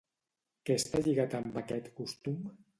Què està lligat amb aquest costum?